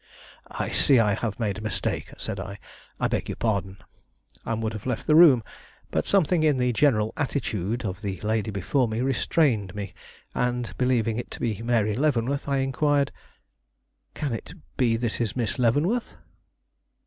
"I see I have made a mistake," said I. "I beg your pardon"; and would have left the room, but something in the general attitude of the lady before me restrained me, and, believing it to be Mary Leavenworth, I inquired: "Can it be this is Miss Leavenworth?"